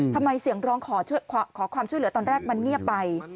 ทำไมเสียงร้องขอความช่วยเหลือตอนแรกมันเงียบไป